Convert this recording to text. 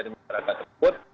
di masyarakat tersebut